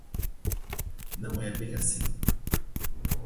Não é bem assim.